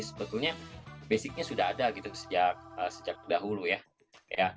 sebetulnya basicnya sudah ada gitu sejak dahulu ya